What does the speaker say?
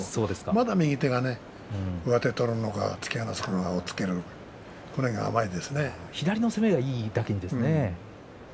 まだ右手が上手を取るのか、突き放すか押っつけるか左の攻めがいいだけにですね。